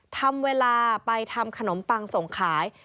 ทำเวลาไปทำขนมปังส่งขาย